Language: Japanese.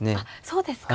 そうですか。